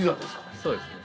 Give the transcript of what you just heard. そうです。